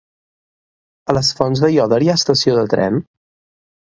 A les Fonts d'Aiòder hi ha estació de tren?